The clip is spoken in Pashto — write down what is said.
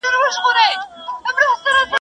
o يا نه کوي، يا د خره کوي.